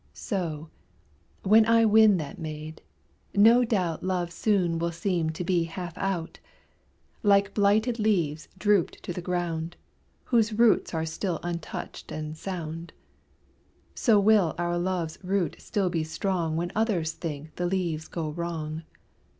So, when I win that maid, no doubt Love soon will seem to be half out; Like blighted leaves drooped to the ground, Whose roots are still untouched and sound, So will our love's root still be strong When others think the leaves go wrong.